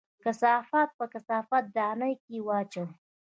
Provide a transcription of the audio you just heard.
کثافات په کثافت دانۍ کې واچوه